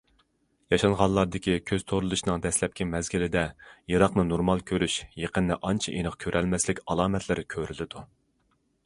ياشانغانلاردىكى كۆز تورلىشىشنىڭ دەسلەپكى مەزگىلىدە يىراقنى نورمال كۆرۈش، يېقىننى ئانچە ئېنىق كۆرەلمەسلىك ئالامەتلىرى كۆرۈلىدۇ.